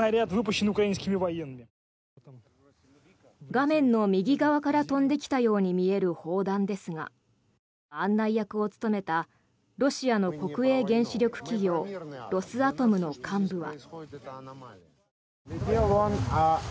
画面の右側から飛んできたように見える砲弾ですが案内役を務めたロシアの国営原子力企業ロスアトムの幹部は。